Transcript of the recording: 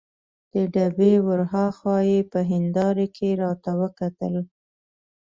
د ډبې ور هاخوا یې په هندارې کې راته وکتل.